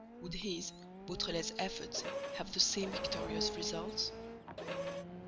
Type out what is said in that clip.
Would his, Beautrelet's efforts have the same victorious results?